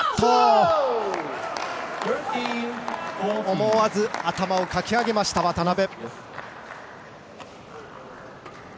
思わず頭をかき上げた渡辺。